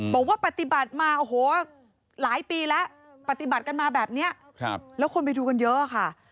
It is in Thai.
บอกว่าปฏิบัติมาโอ้โหหลายปีแล้วปฏิบัติกันมาแบบนี้แล้วคนไปดูกันเยอะค่ะ